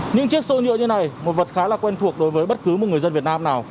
những chiếc xô nhựa như này một vật khá là quen thuộc đối với bất cứ một người dân việt nam nào